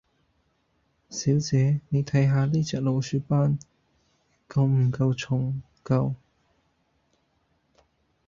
小姐，妳睇下呢隻老鼠斑，夠唔夠重夠？